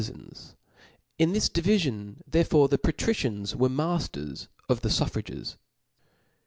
14^ zens. In this divi(ion therefore the patricians w^re Bn o « matters of the fuflFragcs.